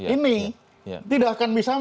ini tidak akan bisa